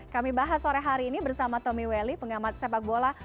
kami bahas sore hari ini bersama tommy welly pengamat sepak bola